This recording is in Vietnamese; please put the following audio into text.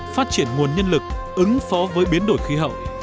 phát triển nguồn nhân lực ứng phó với biến đổi khí hậu